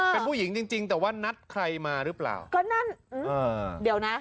ทางผู้ชมพอเห็นแบบนี้นะทางผู้ชมพอเห็นแบบนี้นะ